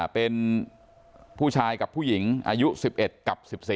เป็นผู้ชายกับผู้หญิงอายุ๑๑กับ๑๔